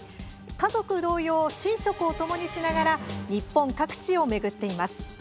家族同様、寝食をともにしながら日本各地を巡っています。